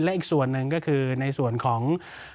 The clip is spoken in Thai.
และอีกส่วนหนึ่งก็คือในส่วนของ